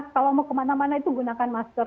kalau mau kemana mana itu gunakan masker